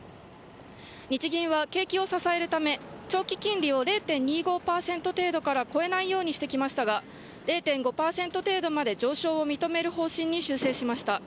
日銀は景気を支えるため長期金利を０．２５％を超えないようにしてきましたが０．５％程度まで上昇を認める方針に修正しました。